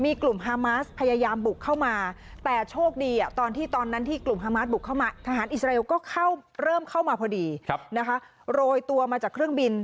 อิสราเอลก็เริ่มเข้ามาพอดีโรยตัวมาจากเครื่องบิน